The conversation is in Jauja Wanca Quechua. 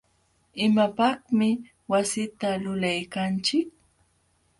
¿imapaqmi wasita lulaykanchik?